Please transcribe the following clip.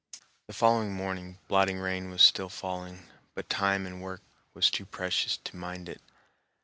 The following morning blotting rain was still falling, but time and work was too precious to mind it.